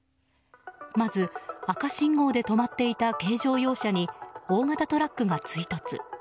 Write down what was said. まず、赤信号で止まっていた軽乗用車に大型トラックが追突。